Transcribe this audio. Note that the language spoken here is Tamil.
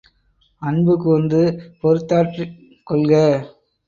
அன்பு கூர்ந்து பொறுத்தாற்றிக் கொள்க.